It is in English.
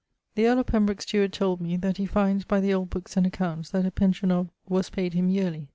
The earl of Pembroke's steward told me that he findes by the old bookes and accounts that a pension of ... was payd him yearly.